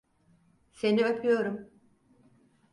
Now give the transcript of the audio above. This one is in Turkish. Seni öpüyorum.